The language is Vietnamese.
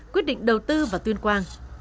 quyết định đầu tư vào thuyền quang